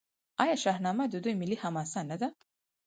آیا شاهنامه د دوی ملي حماسه نه ده؟